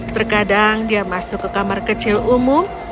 terkadang dia masuk ke kamar kecil umum